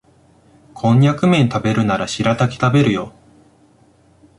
コンニャクめん食べるならシラタキ食べるよ